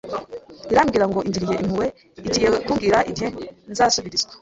irambwira ngo ingiriye impuhwe igiye kumbwira igihe nzasubirizwa